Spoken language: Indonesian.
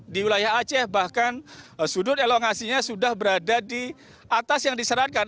di wilayah aceh bahkan sudut elongasinya sudah berada di atas yang diseratkan